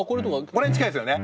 これ近いですよね！